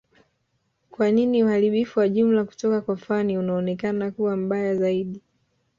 kwa nini uharibifu wa jumla kutoka kwa Fani unaonekana kuwa mbaya zaidi